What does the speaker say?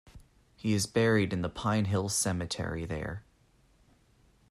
He is buried in the Pine Hill Cemetery there.